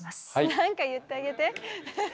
何か言ってあげて。